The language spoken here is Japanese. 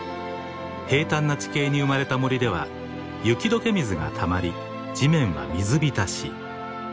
平たんな地形に生まれた森では雪解け水がたまり地面は水浸し。